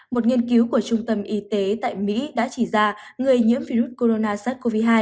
một nghiên cứu của trung tâm y tế tại mỹ đã chỉ ra người nhiễm virus corona sars cov hai